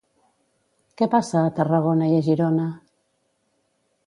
Què passa a Tarragona i a Girona?